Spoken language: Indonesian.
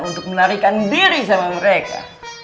untuk menarikan diri sama mereka